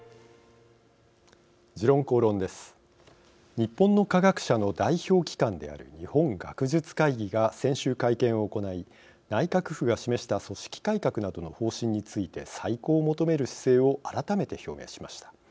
日本の科学者の代表機関である日本学術会議が先週、会見を行い内閣府が示した組織改革などの方針について再考を求める姿勢を改めて表明しました。